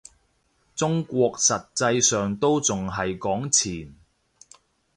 中國實際上都仲係講錢